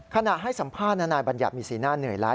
ให้สัมภาษณ์นายบัญญัติมีสีหน้าเหนื่อยล้า